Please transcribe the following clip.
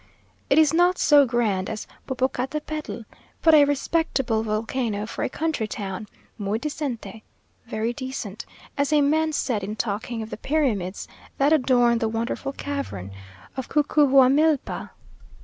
It is not so grand as Popocatepetl, but a respectable volcano for a country town _muy decente_(very decent), as a man said in talking of the pyramids that adorn the wonderful cavern of Cucuhuamilpa.